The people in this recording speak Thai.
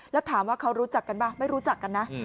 แล้วถามว่าเขารู้จักกันป่ะไม่รู้จักกันนะ